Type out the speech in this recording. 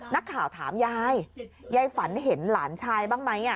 นักข่าวถามยายยายฝันเห็นหลานชายบ้างไหม